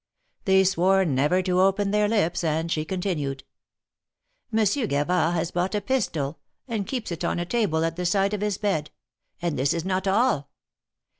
They swore never to open their lips, and she continued; Monsieur Gavard has bought a pistol, and keeps it on a table at the side of his bed — and this is not all.